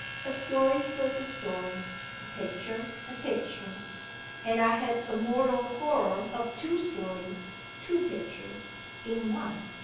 A story was a story, a picture a picture, and I had a mortal horror of two stories, two pictures, in one.